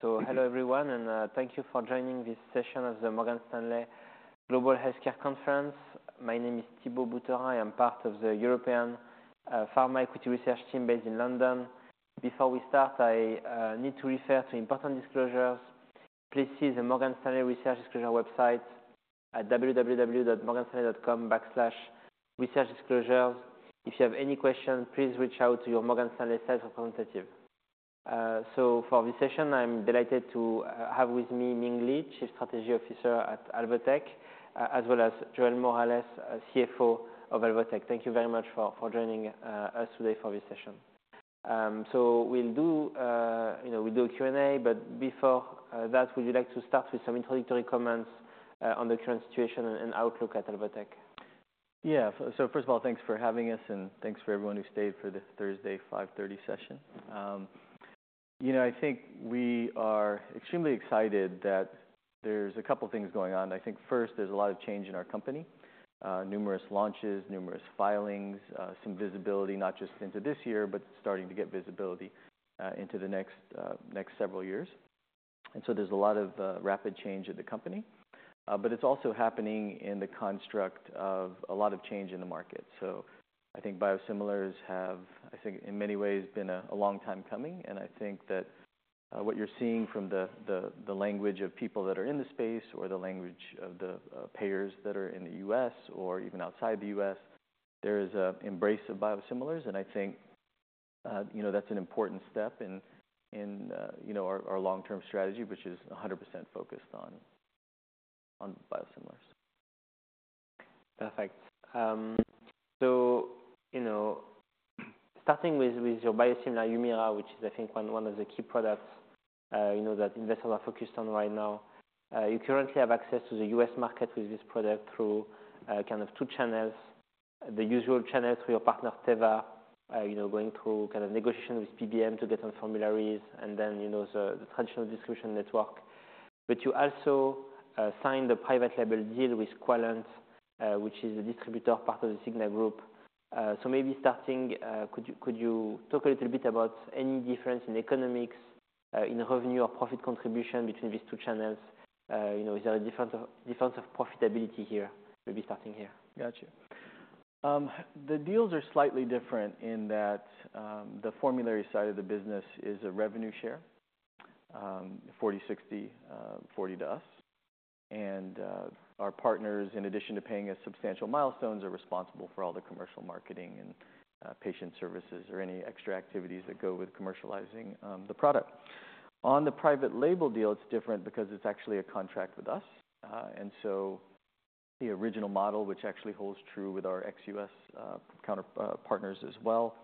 Hello everyone, and thank you for joining this session of the Morgan Stanley Global Healthcare Conference. My name is Thibault Boutherin. I am part of the European Pharma Equity Research team based in London. Before we start, I need to refer to important disclosures. Please see the Morgan Stanley Research Disclosure website at www.morganstanley.com/researchdisclosures. If you have any questions, please reach out to your Morgan Stanley sales representative. So for this session, I'm delighted to have with me Ming Li, Chief Strategy Officer at Alvotech, as well as Joel Morales, CFO of Alvotech. Thank you very much for joining us today for this session. You know, we'll do a Q&A, but before that, would you like to start with some introductory comments on the current situation and outlook at Alvotech? Yeah. So first of all, thanks for having us, and thanks for everyone who stayed for this Thursday 5:30 P.M. session. You know, I think we are extremely excited that there's a couple things going on. I think first, there's a lot of change in our company. Numerous launches, numerous filings, some visibility, not just into this year, but starting to get visibility into the next several years. And so there's a lot of rapid change in the company, but it's also happening in the context of a lot of change in the market. So I think biosimilars have, I think, in many ways, been a long time coming, and I think that what you're seeing from the language of people that are in the space or the language of the payers that are in the U.S. or even outside the U.S., there is an embrace of biosimilars. And I think, you know, that's an important step in, you know, our long-term strategy, which is 100% focused on biosimilars. Perfect. So, you know, starting with your biosimilar Humira, which is, I think, one of the key products, you know, that investors are focused on right now. You currently have access to the U.S. market with this product through kind of two channels. The usual channel through your partner, Teva, you know, going through kind of negotiation with PBM to get on formularies, and then you know, the traditional distribution network. But you also signed a private label deal with Quallent, which is a distributor, part of the Cigna Group. So maybe starting. Could you talk a little bit about any difference in economics in revenue or profit contribution between these two channels? You know, is there a difference of profitability here? Maybe starting here. Gotcha. The deals are slightly different in that, the formulary side of the business is a revenue share, 40%-60%, 40% to us. And, our partners, in addition to paying us substantial milestones, are responsible for all the commercial marketing and, patient services or any extra activities that go with commercializing, the product. On the private label deal, it's different because it's actually a contract with us. And so the original model, which actually holds true with our ex-U.S. counterpart partners as well,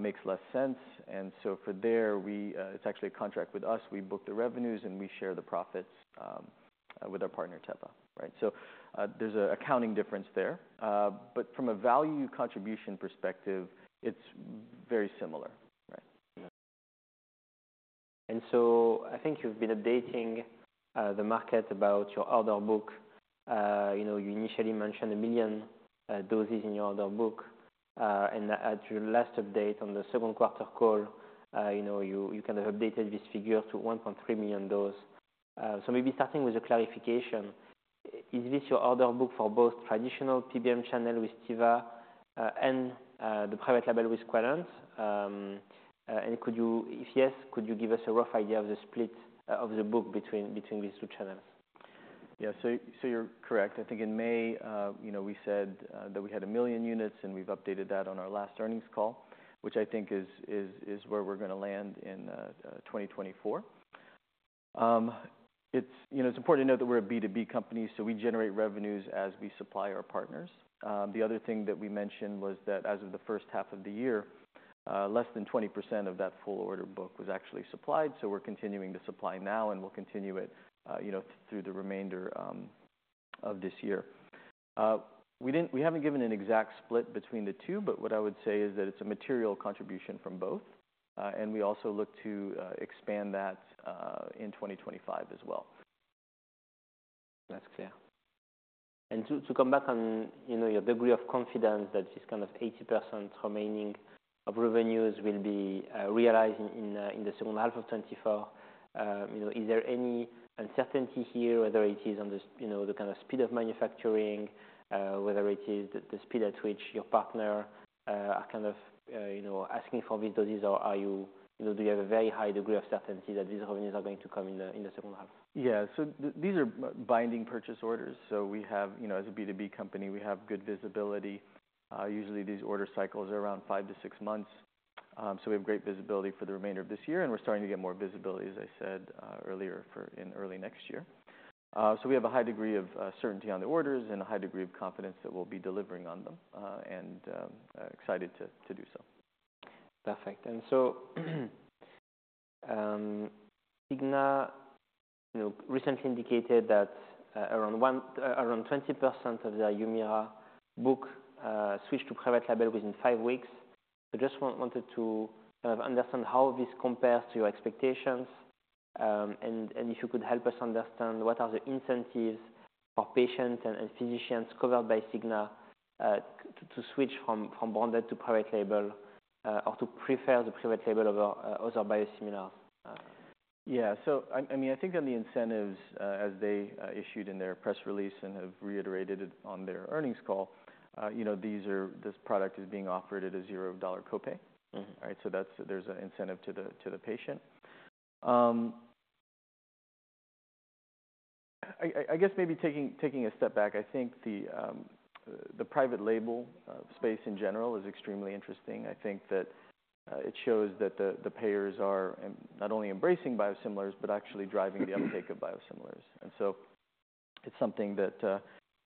makes less sense. And so for there... It's actually a contract with us. We book the revenues, and we share the profits, with our partner, Teva. Right? So, there's an accounting difference there. But from a value contribution perspective, it's very similar. Right. And so I think you've been updating the market about your order book. You know, you initially mentioned a million doses in your order book. And at your last update on the second quarter call, you know, you kind of updated this figure to 1.3 million dose. So maybe starting with a clarification, is this your order book for both traditional PBM channel with Teva, and the private label with Quallent? And could you? If yes, could you give us a rough idea of the split of the book between these two channels? Yeah. So you're correct. I think in May, you know, we said that we had a million units, and we've updated that on our last earnings call, which I think is where we're gonna land in 2024. It's, you know, it's important to note that we're a B2B company, so we generate revenues as we supply our partners. The other thing that we mentioned was that, as of the first half of the year, less than 20% of that full order book was actually supplied. So we're continuing to supply now, and we'll continue it, you know, through the remainder of this year. We haven't given an exact split between the two, but what I would say is that it's a material contribution from both. And we also look to expand that in 2025 as well. That's clear. And to come back on, you know, your degree of confidence that is kind of 80% remaining of revenues will be realized in the second half of 2024. You know, is there any uncertainty here, whether it is on the, you know, the kind of speed of manufacturing, whether it is the speed at which your partner are kind of you know, asking for these doses? Or are you... You know, do you have a very high degree of certainty that these revenues are going to come in the second half? Yeah. So these are binding purchase orders, so we have, you know, as a B2B company, we have good visibility. Usually these order cycles are around five to six months. So we have great visibility for the remainder of this year, and we're starting to get more visibility, as I said, earlier, for in early next year. So we have a high degree of certainty on the orders and a high degree of confidence that we'll be delivering on them, and excited to do so. Perfect. And so, Cigna, you know, recently indicated that, around 20% of their Humira book, switched to private label within five weeks. I just wanted to kind of understand how this compares to your expectations, and if you could help us understand what are the incentives for patients and physicians covered by Cigna, to switch from branded to private label, or to prefer the private label of other biosimilar? Yeah. So I mean, I think on the incentives, as they issued in their press release and have reiterated it on their earnings call, you know, this product is being offered at a $0 copay. Mm-hmm. Right? So that's... There's an incentive to the patient. I guess maybe taking a step back, I think the private label space in general is extremely interesting. I think that it shows that the payers are not only embracing biosimilars, but actually driving the uptake of biosimilars. And so it's something that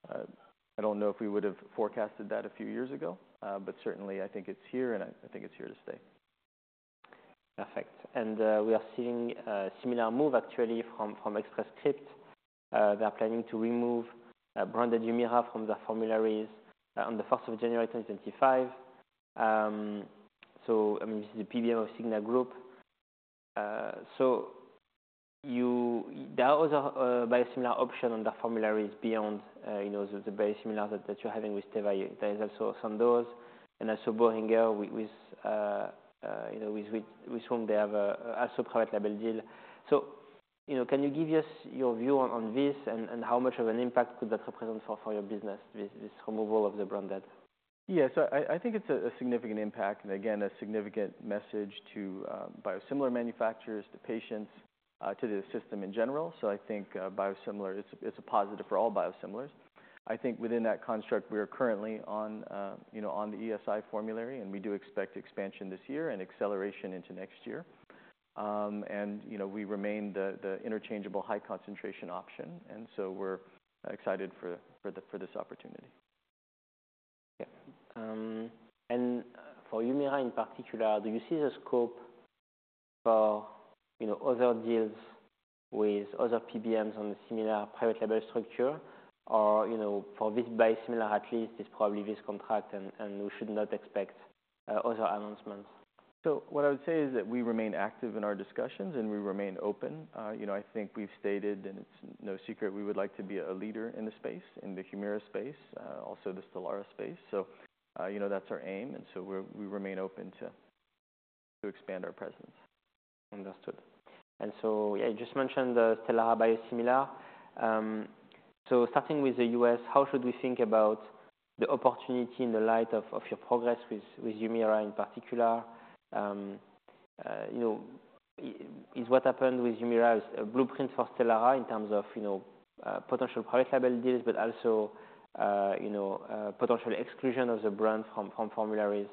I don't know if we would've forecasted that a few years ago, but certainly I think it's here, and I think it's here to stay. Perfect. And, we are seeing a similar move actually from Express Scripts. They're planning to remove branded Humira from the formularies on the first of January, 2025. So, I mean, this is the PBM of Cigna Group. So there are other biosimilar option on the formularies beyond you know, the biosimilar that you're having with Teva. There is also Sandoz and also Boehringer with you know, with whom they have a private label deal. So, you know, can you give us your view on this, and how much of an impact could that represent for your business, this removal of the branded? Yeah. So I think it's a significant impact, and again, a significant message to biosimilar manufacturers, to patients, to the system in general. So I think biosimilar, it's a positive for all biosimilars. I think within that construct, we are currently on, you know, on the ESI formulary, and we do expect expansion this year and acceleration into next year. And, you know, we remain the interchangeable high concentration option, and so we're excited for this opportunity. Yeah. And for Humira, in particular, do you see the scope for, you know, other deals with other PBMs on a similar private label structure? Or, you know, for this biosimilar at least, it's probably this contract, and we should not expect other announcements. What I would say is that we remain active in our discussions, and we remain open. You know, I think we've stated, and it's no secret, we would like to be a leader in the space, in the Humira space, also the Stelara space. You know, that's our aim, and so we remain open to expand our presence. Understood. And so, yeah, you just mentioned the Stelara biosimilar. So starting with the U.S., how should we think about the opportunity in the light of your progress with Humira in particular? You know, is what happened with Humira a blueprint for Stelara in terms of, you know, potential private label deals, but also, you know, potential exclusion of the brand from formularies,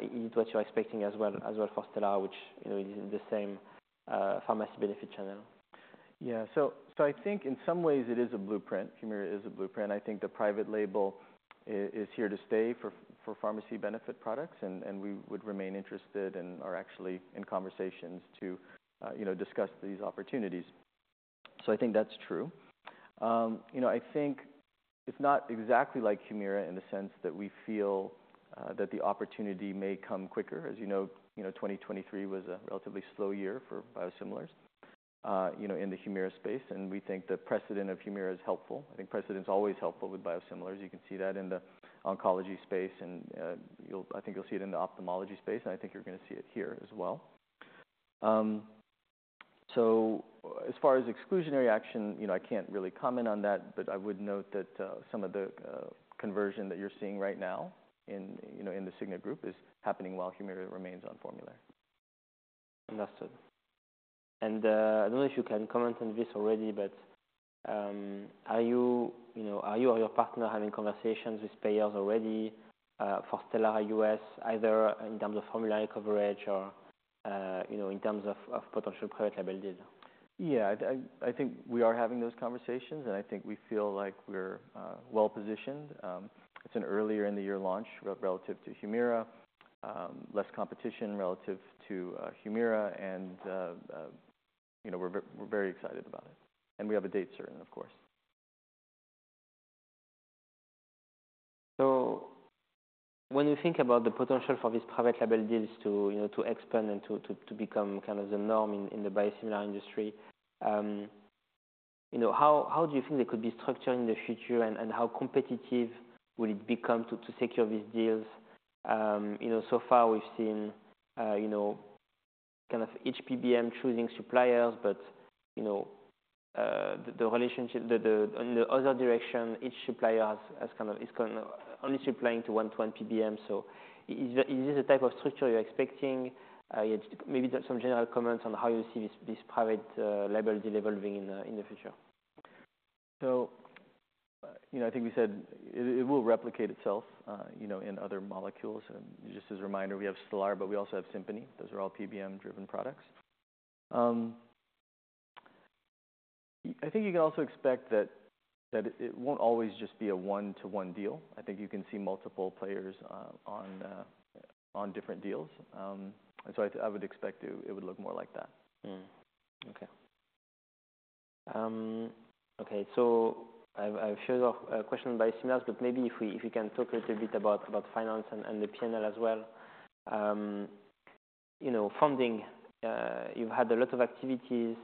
is what you're expecting as well for Stelara, which, you know, is in the same pharmacy benefit channel. Yeah. So I think in some ways it is a blueprint. Humira is a blueprint. I think the private label is here to stay for pharmacy benefit products, and we would remain interested and are actually in conversations to you know discuss these opportunities. So I think that's true. You know, I think it's not exactly like Humira in the sense that we feel that the opportunity may come quicker. As you know, 2023 was a relatively slow year for biosimilars you know in the Humira space, and we think the precedent of Humira is helpful. I think precedent's always helpful with biosimilars. You can see that in the oncology space, and I think you'll see it in the ophthalmology space, and I think you're gonna see it here as well. So as far as exclusionary action, you know, I can't really comment on that, but I would note that some of the conversion that you're seeing right now in, you know, in the Cigna Group is happening while Humira remains on formulary. Understood, and I don't know if you can comment on this already, but are you, you know, are you or your partner having conversations with payers already for Stelara U.S., either in terms of formulary coverage or, you know, in terms of potential private label deals? Yeah, I think we are having those conversations, and I think we feel like we're well-positioned. It's an earlier in the year launch relative to Humira, less competition relative to Humira, and you know, we're very excited about it. And we have a date certain, of course. So when you think about the potential for these private label deals to, you know, to expand and to become kind of the norm in the biosimilar industry, you know, how do you think they could be structured in the future, and how competitive will it become to secure these deals? You know, so far we've seen, you know, kind of each PBM choosing suppliers, but, you know, the relationship. In the other direction, each supplier is kind of only supplying to one PBM. So is this the type of structure you're expecting? Yeah, just maybe some general comments on how you see this private label deal evolving in the future. So, you know, I think we said it, it will replicate itself, you know, in other molecules. And just as a reminder, we have Stelara, but we also have Simponi. Those are all PBM-driven products. I think you can also expect that it won't always just be a one-to-one deal. I think you can see multiple players on different deals. And so I would expect it would look more like that. Okay, so I've shown off a question on biosimilars, but maybe if you can talk a little bit about finance and the P&L as well. You know, funding, you've had a lot of activities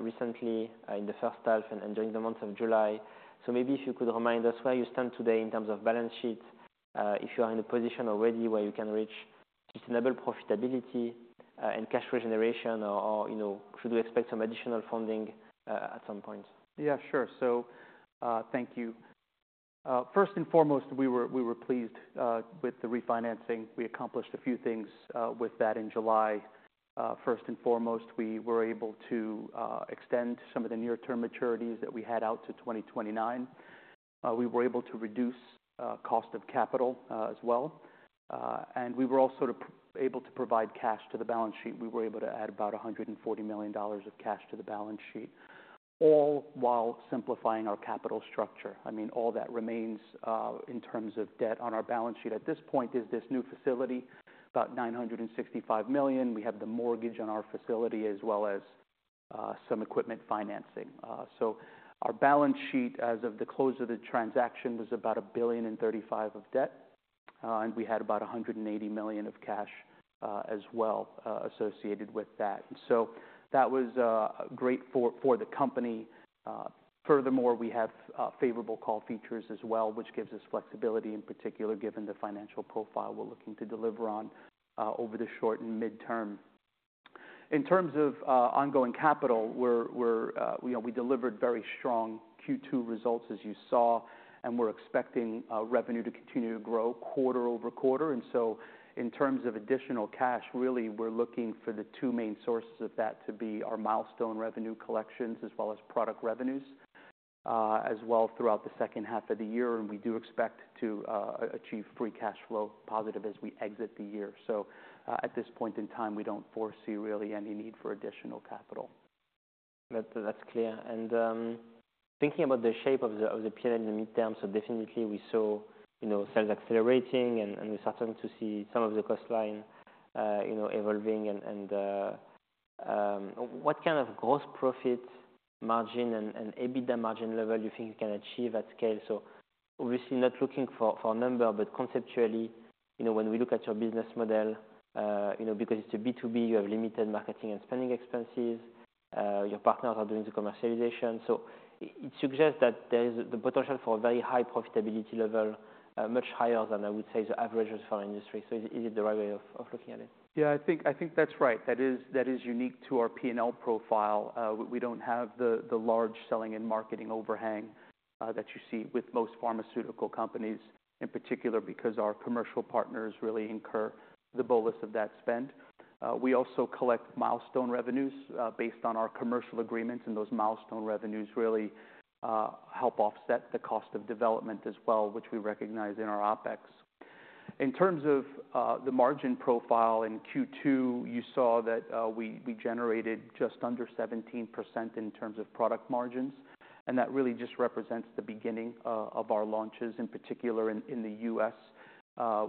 recently in the first half and during the month of July. So maybe if you could remind us where you stand today in terms of balance sheet, if you are in a position already where you can reach sustainable profitability and cash regeneration, or you know, should we expect some additional funding at some point? Yeah, sure. So, thank you. First and foremost, we were pleased with the refinancing. We accomplished a few things with that in July. First and foremost, we were able to extend some of the near-term maturities that we had out to 2029. We were able to reduce cost of capital as well. And we were also able to provide cash to the balance sheet. We were able to add about $140 million of cash to the balance sheet, all while simplifying our capital structure. I mean, all that remains in terms of debt on our balance sheet at this point is this new facility, about $965 million. We have the mortgage on our facility, as well as some equipment financing. So our balance sheet, as of the close of the transaction, was about $1.035 billion of debt, and we had about $180 million of cash, as well, associated with that. And so that was great for the company. Furthermore, we have favorable call features as well, which gives us flexibility, in particular, given the financial profile we're looking to deliver on, over the short and midterm. In terms of ongoing capital, we're you know, we delivered very strong Q2 results, as you saw, and we're expecting revenue to continue to grow quarter-over-quarter. And so in terms of additional cash, really, we're looking for the two main sources of that to be our milestone revenue collections, as well as product revenues, as well throughout the second half of the year. We do expect to achieve free cash flow positive as we exit the year. At this point in time, we don't foresee really any need for additional capital. That's, that's clear. Thinking about the shape of the P&L in the midterm, so definitely we saw, you know, sales accelerating and we're starting to see some of the cost line, you know, evolving. What kind of gross profit margin and EBITDA margin level you think you can achieve at scale? Obviously, not looking for a number, but conceptually, you know, when we look at your business model, you know, because it's a B2B, you have limited marketing and spending expenses, your partners are doing the commercialization. It suggests that there is the potential for a very high profitability level, much higher than, I would say, the average as far as industry. Is it the right way of looking at it? Yeah, I think that's right. That is unique to our P&L profile. We don't have the large selling and marketing overhang that you see with most pharmaceutical companies, in particular because our commercial partners really incur the bolus of that spend. We also collect milestone revenues based on our commercial agreements, and those milestone revenues really help offset the cost of development as well, which we recognize in our OpEx. In terms of the margin profile in Q2, you saw that we generated just under 17% in terms of product margins, and that really just represents the beginning of our launches, in particular in the U.S.,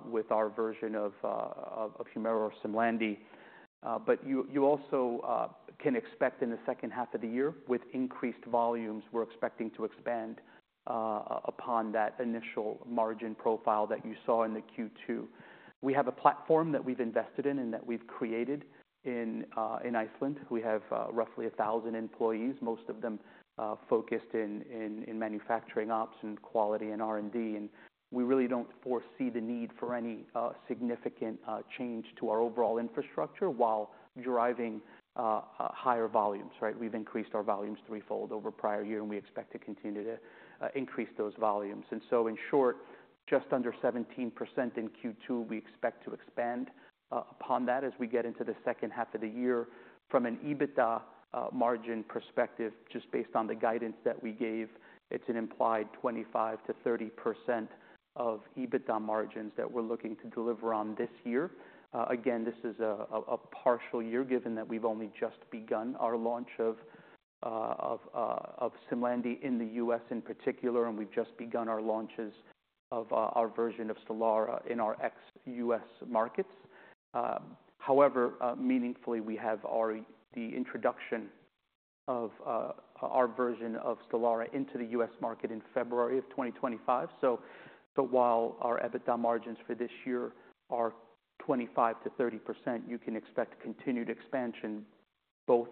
with our version of Humira or Simlandi. But you also can expect in the second half of the year, with increased volumes, we're expecting to expand upon that initial margin profile that you saw in the Q2. We have a platform that we've invested in and that we've created in Iceland. We have roughly 1,000 employees, most of them focused in manufacturing ops and quality and R&D. And we really don't foresee the need for any significant change to our overall infrastructure while driving higher volumes, right? We've increased our volumes threefold over prior year, and we expect to continue to increase those volumes. And so in short, just under 17% in Q2, we expect to expand upon that as we get into the second half of the year. From an EBITDA margin perspective, just based on the guidance that we gave, it's an implied 25%-30% of EBITDA margins that we're looking to deliver on this year. Again, this is a partial year, given that we've only just begun our launch of Simlandi in the U.S. in particular, and we've just begun our launches of our version of Stelara in our ex-U.S. markets. However, meaningfully, we have already the introduction of our version of Stelara into the U.S. market in February of 2025. But while our EBITDA margins for this year are 25%-30%, you can expect continued expansion, both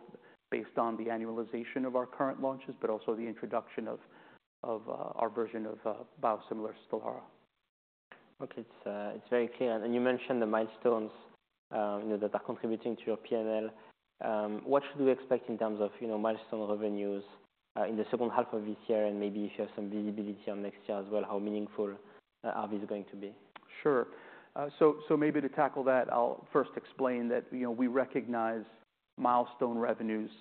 based on the annualization of our current launches, but also the introduction of our version of biosimilar Stelara. Okay, it's very clear, and you mentioned the milestones, you know, that are contributing to your P&L. What should we expect in terms of, you know, milestone revenues in the second half of this year, and maybe if you have some visibility on next year as well? How meaningful are these going to be? Sure. So maybe to tackle that, I'll first explain that, you know, we recognize milestone revenues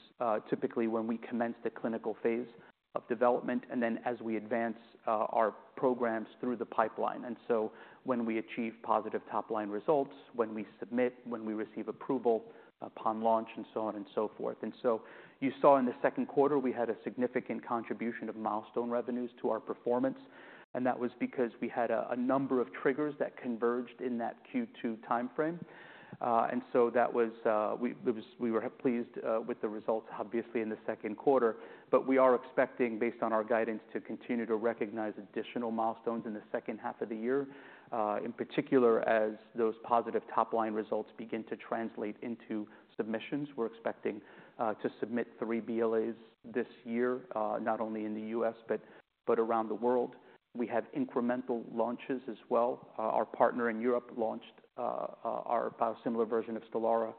typically when we commence the clinical phase of development, and then as we advance our programs through the pipeline. And so when we achieve positive top line results, when we submit, when we receive approval upon launch, and so on and so forth. And so you saw in the second quarter, we had a significant contribution of milestone revenues to our performance, and that was because we had a number of triggers that converged in that Q2 timeframe. And so that was. We were pleased with the results, obviously, in the second quarter. But we are expecting, based on our guidance, to continue to recognize additional milestones in the second half of the year.... in particular, as those positive top line results begin to translate into submissions. We're expecting to submit three BLAs this year, not only in the U.S., but around the world. We have incremental launches as well. Our partner in Europe launched our biosimilar version of Stelara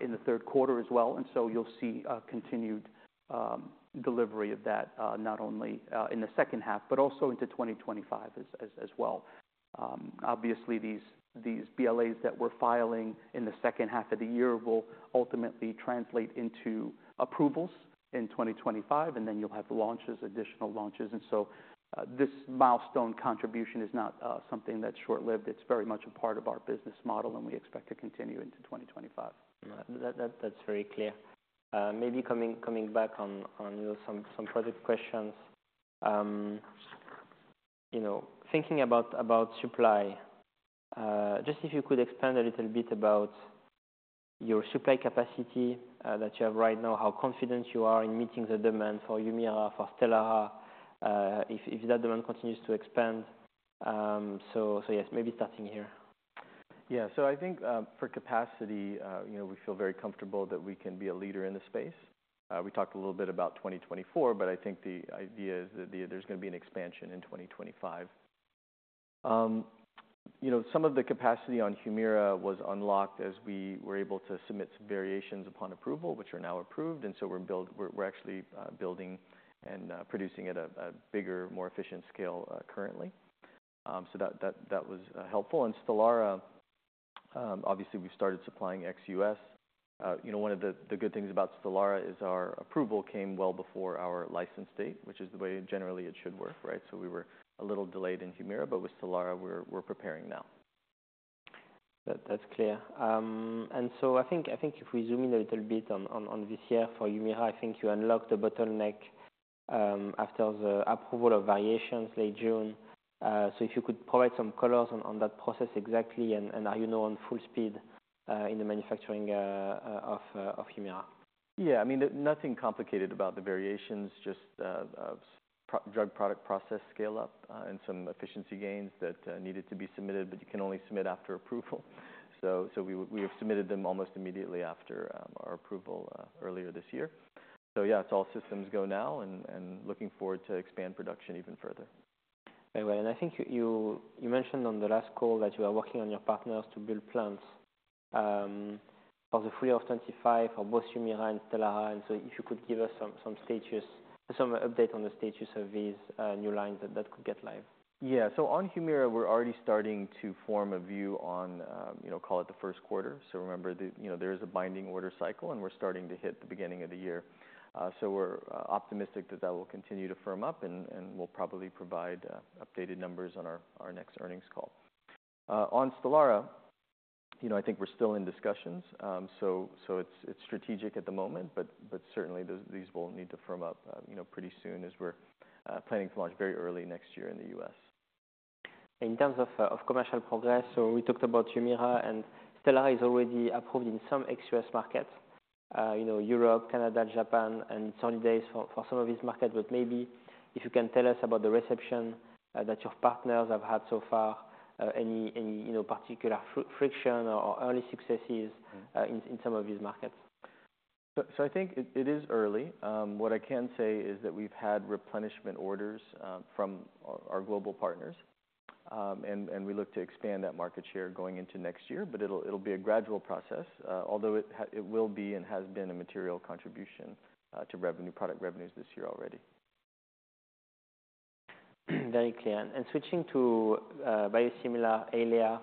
in the third quarter as well, and so you'll see a continued delivery of that, not only in the second half, but also into 2025 as well. Obviously, these BLAs that we're filing in the second half of the year will ultimately translate into approvals in 2025, and then you'll have launches, additional launches. So, this milestone contribution is not something that's short-lived. It's very much a part of our business model, and we expect to continue into 2025. That's very clear. Maybe coming back on, you know, some product questions. You know, thinking about supply, just if you could expand a little bit about your supply capacity that you have right now, how confident you are in meeting the demand for Humira, for Stelara, if that demand continues to expand. So, yes, maybe starting here. Yeah, so I think, for capacity, you know, we feel very comfortable that we can be a leader in the space. We talked a little bit about 2024, but I think the idea is that there's gonna be an expansion in 2025. You know, some of the capacity on Humira was unlocked as we were able to submit some variations upon approval, which are now approved, and so we're actually building and producing at a bigger, more efficient scale, currently. So that was helpful. And Stelara, obviously, we started supplying ex-U.S. You know, one of the good things about Stelara is our approval came well before our license date, which is the way generally it should work, right? So we were a little delayed in Humira, but with Stelara, we're preparing now. That's clear. And so I think if we zoom in a little bit on this year for Humira, I think you unlocked the bottleneck after the approval of variations late June. So if you could provide some colors on that process exactly, and are you now on full speed in the manufacturing of Humira? Yeah, I mean, nothing complicated about the variations, just, drug product process scale up, and some efficiency gains that needed to be submitted, but you can only submit after approval. So we have submitted them almost immediately after our approval earlier this year. So yeah, it's all systems go now and looking forward to expand production even further. Anyway, and I think you mentioned on the last call that you are working with your partners to build plants for 2025 for both Humira and Stelara. And so if you could give us some status update on the status of these new lines that could go live. Yeah. So on Humira, we're already starting to form a view on, you know, call it the first quarter. So remember, the, you know, there is a binding order cycle, and we're starting to hit the beginning of the year. So we're optimistic that that will continue to firm up, and we'll probably provide updated numbers on our next earnings call. On Stelara, you know, I think we're still in discussions. So it's strategic at the moment, but certainly, these will need to firm up, you know, pretty soon as we're planning to launch very early next year in the U.S. In terms of commercial progress, so we talked about Humira and Stelara is already approved in some ex-U.S. markets, you know, Europe, Canada, Japan, and some other for some of these markets. But maybe if you can tell us about the reception that your partners have had so far, you know, particular friction or early successes in some of these markets. So, I think it is early. What I can say is that we've had replenishment orders from our global partners. And we look to expand that market share going into next year, but it'll be a gradual process, although it will be and has been a material contribution to revenue, product revenues this year already. Very clear, and switching to biosimilar Eylea,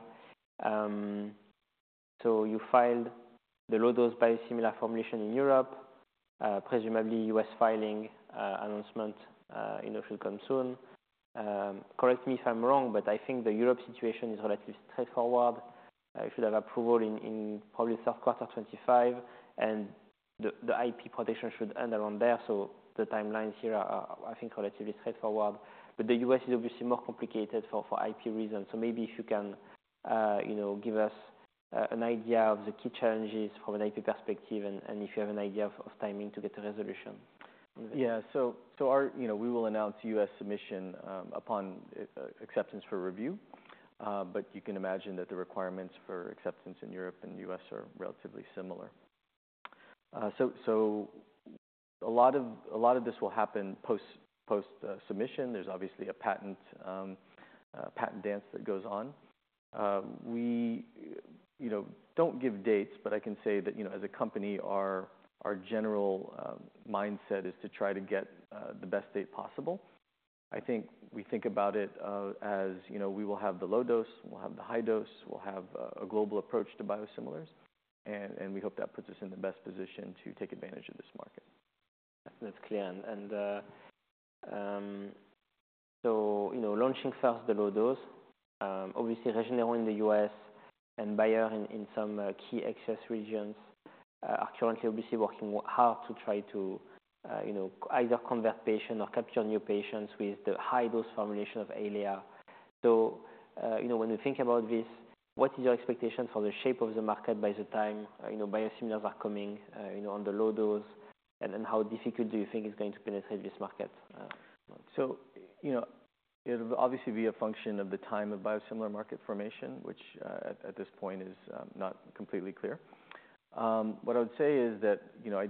so you filed the low-dose biosimilar formulation in Europe, presumably U.S. filing announcement, you know, should come soon. Correct me if I'm wrong, but I think the Europe situation is relatively straightforward. You should have approval in probably third quarter of 2025, and the IP protection should end around there, so the timelines here are, I think, relatively straightforward, but the U.S. is obviously more complicated for IP reasons, so maybe if you can, you know, give us an idea of the key challenges from an IP perspective and if you have an idea of timing to get a resolution. Yeah. You know, we will announce U.S. submission upon acceptance for review. But you can imagine that the requirements for acceptance in Europe and U.S. are relatively similar. So a lot of this will happen post submission. There's obviously a patent dance that goes on. We, you know, don't give dates, but I can say that, you know, as a company, our general mindset is to try to get the best date possible. I think we think about it as, you know, we will have the low-dose, we'll have the high-dose, we'll have a global approach to biosimilars, and we hope that puts us in the best position to take advantage of this market. That's clear. And, so, you know, launching first the low-dose, obviously, Regeneron in the U.S. and Bayer in some key ex-US regions, are currently obviously working hard to try to, you know, either convert patients or capture new patients with the high-dose formulation of Eylea. So, you know, when you think about this, what is your expectation for the shape of the market by the time, you know, biosimilars are coming, you know, on the low-dose? And then how difficult do you think it's going to penetrate this market? So, you know, it'll obviously be a function of the time of biosimilar market formation, which at this point is not completely clear. What I would say is that, you know,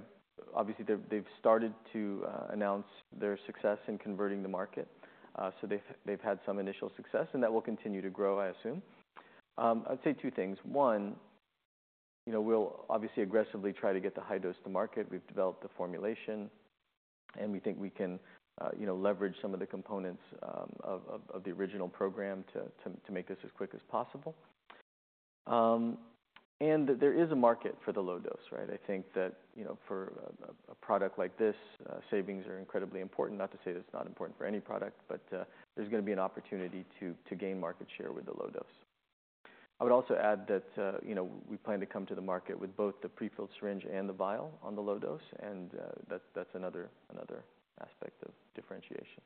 obviously, they've started to announce their success in converting the market. So they've had some initial success, and that will continue to grow, I assume. I'd say two things: one, you know, we'll obviously aggressively try to get the high-dose to market. We've developed the formulation, and we think we can, you know, leverage some of the components of the original program to make this as quick as possible. And there is a market for the low-dose, right? I think that, you know, for a product like this, savings are incredibly important. Not to say that it's not important for any product, but there's gonna be an opportunity to gain market share with the low-dose. I would also add that, you know, we plan to come to the market with both the prefilled syringe and the vial on the low-dose, and that's another aspect of differentiation.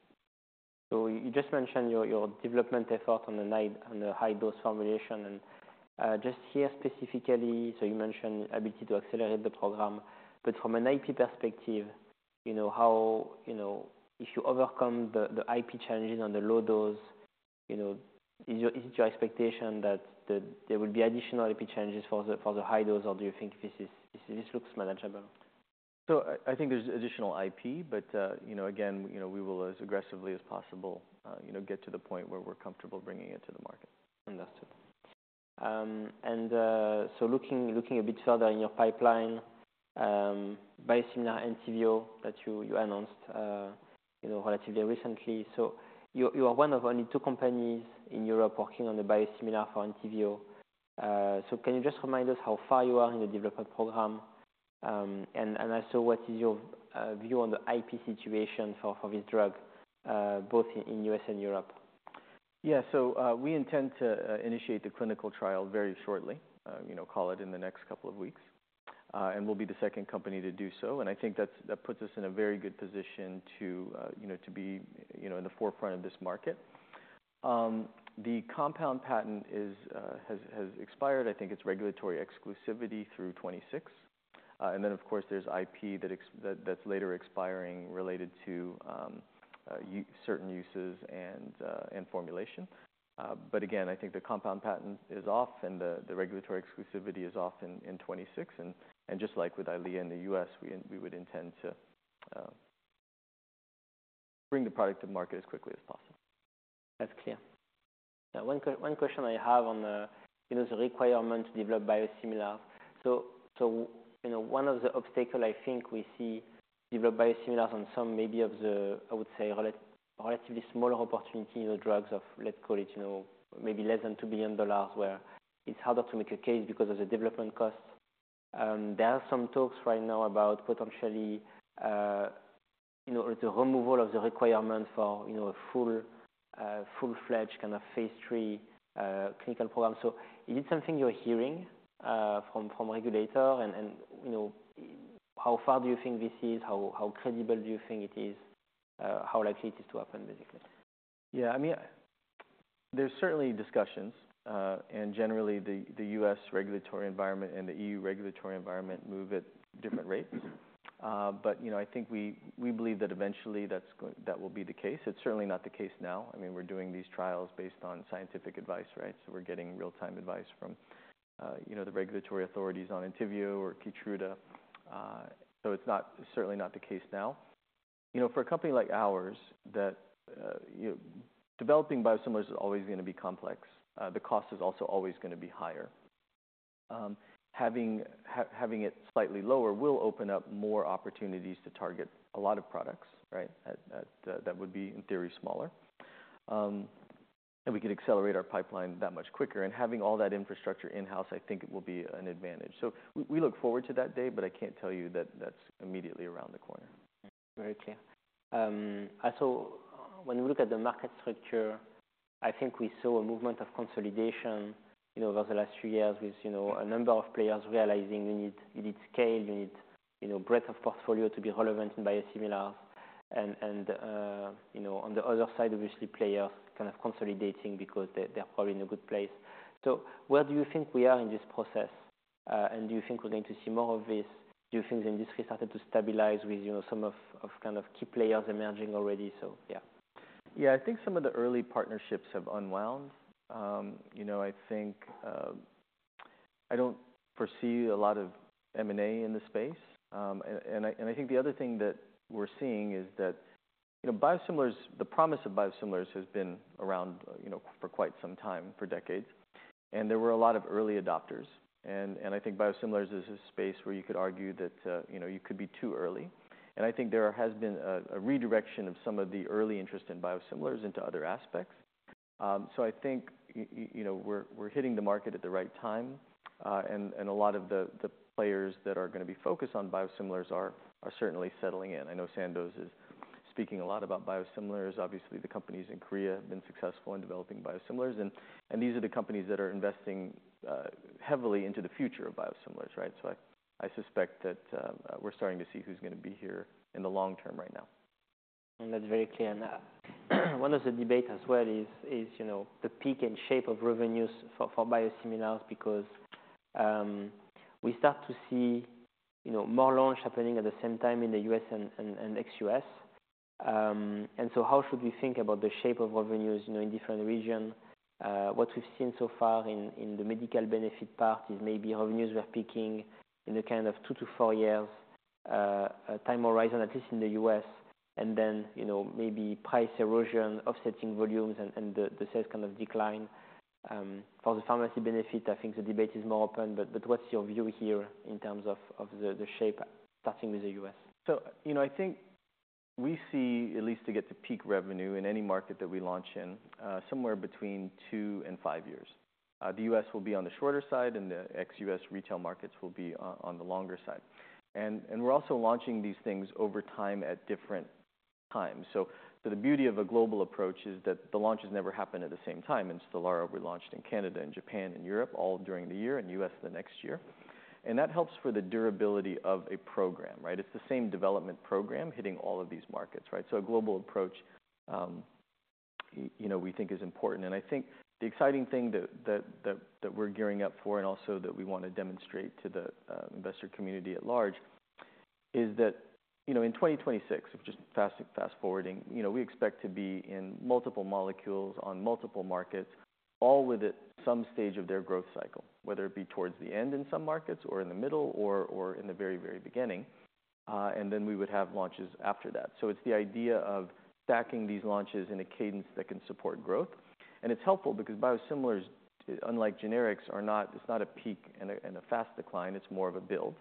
So you just mentioned your development effort on the high-dose formulation, and just here specifically, so you mentioned ability to accelerate the program. But from an IP perspective, you know, how... You know, if you overcome the IP challenges on the low-dose, you know, is it your expectation that there will be additional IP challenges for the high-dose, or do you think this looks manageable? I, I think there's additional IP, but you know, again, you know, we will as aggressively as possible, you know, get to the point where we're comfortable bringing it to the market. Understood. And so looking a bit further in your pipeline, biosimilar Entyvio that you announced, you know, relatively recently. So you are one of only two companies in Europe working on the biosimilar for Entyvio. So can you just remind us how far you are in the development program? And also what is your view on the IP situation for this drug, both in the U.S. and Europe? Yeah. So, we intend to initiate the clinical trial very shortly, you know, call it in the next couple of weeks. And we'll be the second company to do so, and I think that's that puts us in a very good position to, you know, to be, you know, in the forefront of this market. The compound patent has expired. I think it's regulatory exclusivity through 2026. And then, of course, there's IP that's later expiring, related to certain uses and formulation. But again, I think the compound patent is off, and the regulatory exclusivity is off in 2026. And just like with Eylea in the U.S., we would intend to bring the product to market as quickly as possible. That's clear. Now, one question I have on the, you know, the requirement to develop biosimilar. So, you know, one of the obstacle I think we see, develop biosimilars on some maybe of the, I would say, relatively smaller opportunity drugs of, let's call it, you know, maybe less than $2 billion, where it's harder to make a case because of the development costs. There are some talks right now about potentially, you know, the removal of the requirement for, you know, a full, full-fledged kind of phase III clinical program. So is it something you're hearing from regulator? And, you know, how far do you think this is? How credible do you think it is? How likely it is to happen, basically? Yeah, I mean, there's certainly discussions. And generally, the U.S. regulatory environment and the E.U. regulatory environment move at different rates. Mm-hmm. But, you know, I think we believe that eventually, that's going... That will be the case. It's certainly not the case now. I mean, we're doing these trials based on scientific advice, right? So we're getting real-time advice from the regulatory authorities on Entyvio or Keytruda. So it's not, certainly not the case now. You know, for a company like ours, that developing biosimilars is always gonna be complex. The cost is also always gonna be higher. Having, having it slightly lower will open up more opportunities to target a lot of products, right? That would be, in theory, smaller. And we could accelerate our pipeline that much quicker, and having all that infrastructure in-house, I think it will be an advantage. So we look forward to that day, but I can't tell you that that's immediately around the corner. Very clear. I saw when we look at the market structure, I think we saw a movement of consolidation, you know, over the last few years with, you know, a number of players realizing we need scale, you know, breadth of portfolio to be relevant in biosimilars. And you know, on the other side, obviously, players kind of consolidating because they're probably in a good place. So where do you think we are in this process? And do you think we're going to see more of this? Do you think the industry started to stabilize with, you know, some kind of key players emerging already? So, yeah. Yeah, I think some of the early partnerships have unwound. You know, I think I don't foresee a lot of M&A in the space. I think the other thing that we're seeing is that, you know, biosimilars, the promise of biosimilars has been around, you know, for quite some time, for decades, and there were a lot of early adopters. Biosimilars is a space where you could argue that, you know, you could be too early. I think there has been a redirection of some of the early interest in biosimilars into other aspects. I think, you know, we're hitting the market at the right time, and a lot of the players that are gonna be focused on biosimilars are certainly settling in. I know Sandoz is speaking a lot about biosimilars. Obviously, the companies in Korea have been successful in developing biosimilars, and these are the companies that are investing heavily into the future of biosimilars, right? So I suspect that we're starting to see who's gonna be here in the long term right now.... And that's very clear now. One of the debate as well is, you know, the peak and shape of revenues for biosimilars, because we start to see, you know, more launch happening at the same time in the U.S. and ex-U.S. And so how should we think about the shape of revenues, you know, in different region? What we've seen so far in the medical benefit part is maybe revenues were peaking in a kind of two to four years time horizon, at least in the U.S. And then, you know, maybe price erosion, offsetting volumes, and the sales kind of decline. For the pharmacy benefit, I think the debate is more open, but what's your view here in terms of the shape, starting with the U.S.? So, you know, I think we see at least to get to peak revenue in any market that we launch in, somewhere between two and five years. The U.S. will be on the shorter side, and the ex-U.S. retail markets will be on the longer side. And we're also launching these things over time at different times. So the beauty of a global approach is that the launches never happen at the same time. In Stelara, we launched in Canada and Japan and Europe all during the year, and U.S. the next year, and that helps for the durability of a program, right? It's the same development program hitting all of these markets, right? So a global approach, you know, we think is important. And I think the exciting thing that we're gearing up for, and also that we want to demonstrate to the investor community at large, is that, you know, in 2026, just fast-forwarding, you know, we expect to be in multiple molecules on multiple markets, all within some stage of their growth cycle. Whether it be towards the end in some markets, or in the middle, or in the very beginning, and then we would have launches after that. So it's the idea of stacking these launches in a cadence that can support growth. And it's helpful because biosimilars, unlike generics, are not a peak and a fast decline. It's more of a build.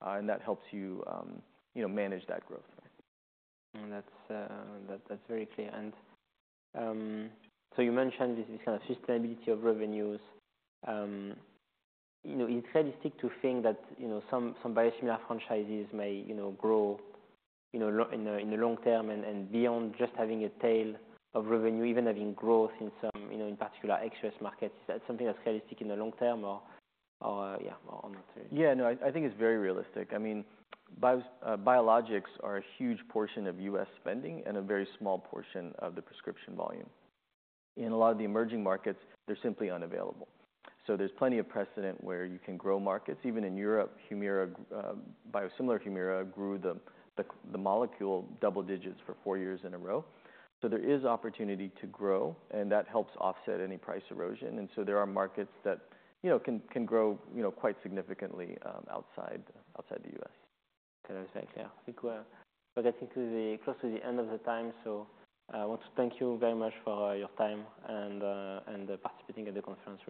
And that helps you, you know, manage that growth. That's very clear. So you mentioned this is kind of sustainability of revenues. You know, it's realistic to think that, you know, some biosimilar franchises may, you know, grow, you know, in the long term and beyond just having a tail of revenue, even having growth in some, you know, in particular ex-U.S. markets. Is that something that's realistic in the long term or, yeah, or on the two? Yeah, no, I think it's very realistic. I mean, biologics are a huge portion of U.S. spending and a very small portion of the prescription volume. In a lot of the emerging markets, they're simply unavailable. So there's plenty of precedent where you can grow markets. Even in Europe, Humira, biosimilar Humira grew the molecule double-digits for four years in a row. So there is opportunity to grow, and that helps offset any price erosion, and so there are markets that, you know, can grow, you know, quite significantly outside the U.S. Okay, thank you. I think we're getting close to the end of the time, so I want to thank you very much for your time and participating at the conference.